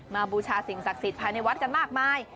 บูชาสิ่งศักดิ์สิทธิภายในวัดกันมากมาย